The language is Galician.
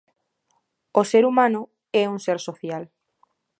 O ser humano é un ser social.